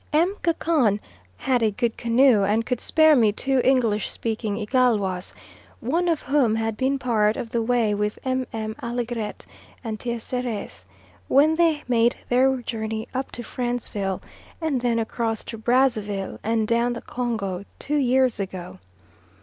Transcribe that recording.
M. Gacon had a good canoe and could spare me two English speaking Igalwas, one of whom had been part of the way with MM. Allegret and Teisseres, when they made their journey up to Franceville and then across to Brazzaville and down the Congo two years ago.